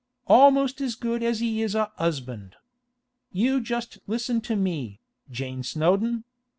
Almost as good as he is a 'usband. You just listen to me, Jane Snowdon.